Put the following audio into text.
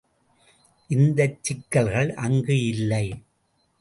இந்தச் சிக்கல்கள் அங்கு இல்லை.